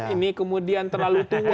ini kemudian terlalu tua